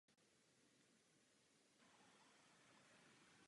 Byl také velitelem zemské hotovosti a nadřízeným krajských hejtmanů.